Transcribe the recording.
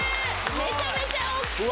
めちゃめちゃ大きい！